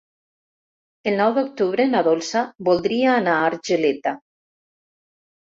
El nou d'octubre na Dolça voldria anar a Argeleta.